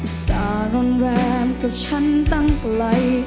ภาษานอนแรมกับฉันตั้งไกล